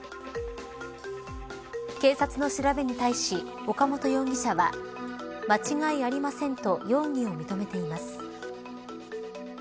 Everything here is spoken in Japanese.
警察の調べに対し岡本容疑者は間違いありませんと容疑を認めています。